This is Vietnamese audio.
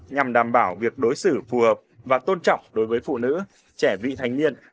nhằm đảm bảo việc đối xử phù hợp và tôn trọng đối với phụ nữ trẻ vị thành niên